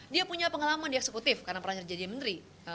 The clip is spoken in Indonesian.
dia punya pengalaman di eksekutif karena pernah jadi menteri